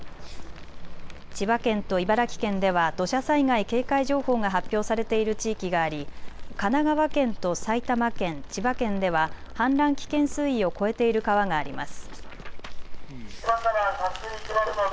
千葉県と茨城県では土砂災害警戒情報が発表されている地域があり、神奈川県と埼玉県、千葉県では氾濫危険水位を超えている川があります。